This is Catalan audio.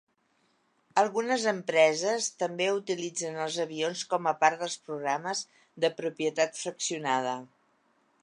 Algunes empreses també utilitzen els avions com a part dels programes de propietat fraccionada.